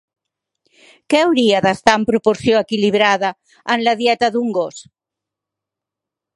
Què hauria d'estar en proporció equilibrada en la dieta d'un gos?